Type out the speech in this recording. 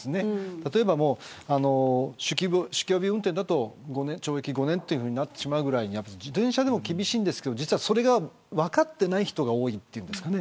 例えば酒気帯び運転だと懲役５年になってしまうぐらいに自転車でも厳しいんですけどそれが分かってない人が多いっていうんですかね。